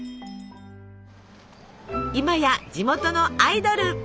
今や地元のアイドル！